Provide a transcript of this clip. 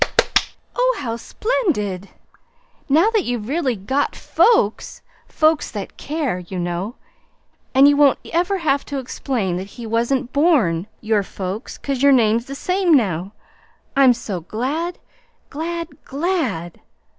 "Oh, how splendid! Now you've really got FOLKS folks that care, you know. And you won't ever have to explain that he wasn't BORN your folks, 'cause your name's the same now. I'm so glad, GLAD, GLAD!"